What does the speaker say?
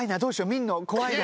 見んの怖いな。